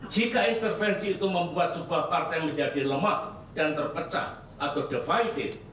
jika intervensi itu membuat sebuah partai menjadi lemah dan terpecah atau divided